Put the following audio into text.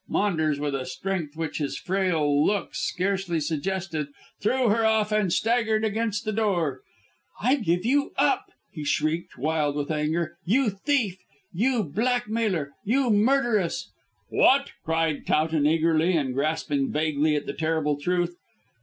Maunders, with a strength which his frail looks scarcely suggested, threw her off and staggered against the door. "I give you up," he shrieked, wild with anger, "you thief, you blackmailer, you murderess!" "What?" cried Towton eagerly, and grasping vaguely at the terrible truth.